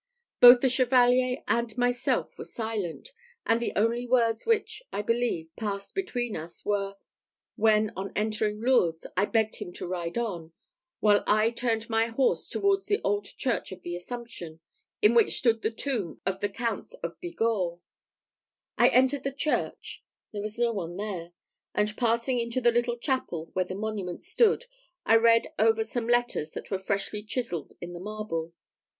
Both the Chevalier and myself were silent; and the only words which, I believe, passed between us were, when, on entering Lourdes, I begged him to ride on, while I turned my horse towards the old church of the Assumption, in which stood the tomb of the Counts of Bigorre. I entered the church there was no one there; and passing into the little chapel, where the monument stood, I read over some letters that were freshly chiselled in the marble.